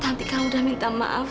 tanti kalau udah minta maaf